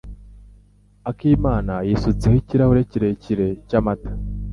Akimana yisutseho ikirahure kirekire cyamata.